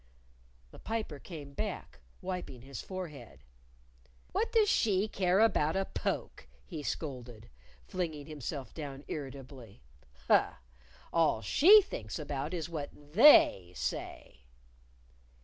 The Piper came back, wiping his forehead. "What does she care about a poke!" he scolded, flinging himself down irritably. "Huh! All she thinks about is what They say!"